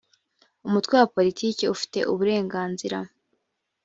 umutwe wa politiki ufite uburenganzira